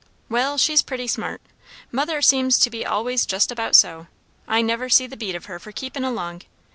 "Well, she's pretty smart. Mother seems to be allays just about so. I never see the beat of her for keepin' along.